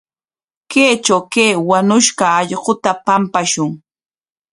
Kaytraw kay wañushqa allquta pampashun.